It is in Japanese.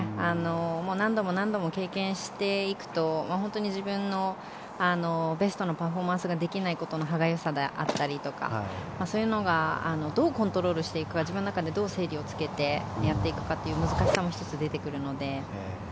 何度も何度も経験していくと本当に自分のベストのパフォーマンスができないことの歯がゆさであったりそういうのがどうコントロールしていくか自分の中で、どう整理をつけてやっていくかという難しさも１つ出てくるので。